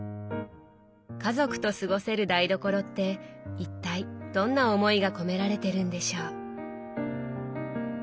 家族と過ごせる台所って一体どんな思いが込められてるんでしょう。